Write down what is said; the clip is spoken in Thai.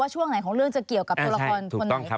ช่วงไหนของเรื่องจะเกี่ยวกับตัวละครคนไหน